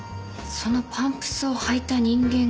そのパンプスを履いた人間が犯人。